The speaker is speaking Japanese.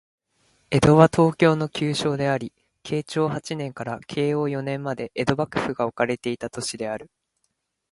江戸は、東京の旧称であり、慶長八年から慶応四年まで江戸幕府が置かれていた都市である